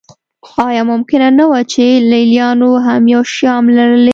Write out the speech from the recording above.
آیا ممکنه نه وه چې لېلیانو هم یو شیام لرلی